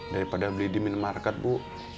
daripada beli di minimarket bu